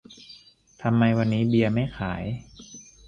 ทำไมวันนี้เบียร์ไม่ขาย